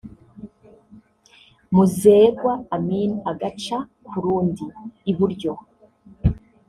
Muzerwa Amin agaca ku rundi (iburyo)